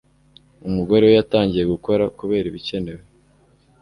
Umugore we yatangiye gukora kubera ibikenewe.